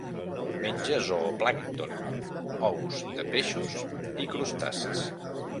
Menja zooplàncton, ous de peixos i crustacis.